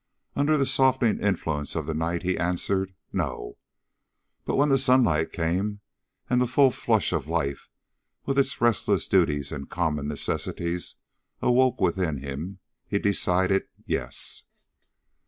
Under the softening influences of the night, he answered, No; but when the sunlight came and the full flush of life with its restless duties and common necessities awoke within him, he decided, Yes.